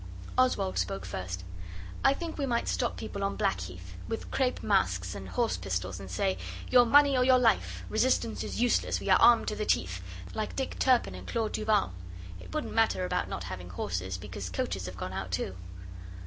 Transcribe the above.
Oswald spoke first. 'I think we might stop people on Blackheath with crape masks and horse pistols and say "Your money or your life! Resistance is useless, we are armed to the teeth" like Dick Turpin and Claude Duval. It wouldn't matter about not having horses, because coaches have gone out too.